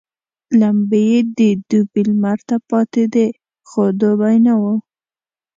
لمبې يې د دوبي لمر ته پاتېدې خو دوبی نه وو.